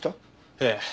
ええ。